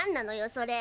それ。